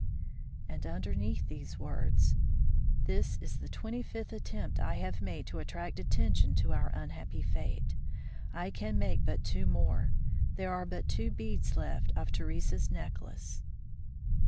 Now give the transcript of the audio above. And underneath, these words: "This is the twenty fifth attempt I have made to attract attention to our unhappy fate. I can make but two more. There are but two beads left of Theresa's necklace."